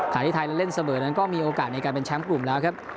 ที่ไทยและเล่นเสมอนั้นก็มีโอกาสในการเป็นแชมป์กลุ่มแล้วครับ